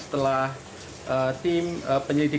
setelah tim penyelidik kpk selesai memperbaiki